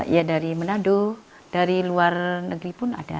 ya dari manado dari luar negeri pun ada